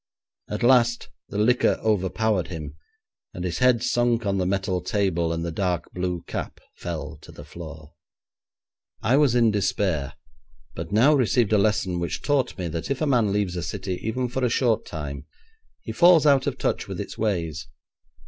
At last the liquor overpowered him, and his head sunk on the metal table and the dark blue cap fell to the floor. I was in despair, but now received a lesson which taught me that if a man leaves a city, even for a short time, he falls out of touch with its ways.